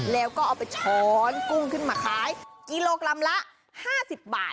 แล้วก็เอาไปช้อนกุ้งขึ้นมาขายกิโลกรัมละ๕๐บาท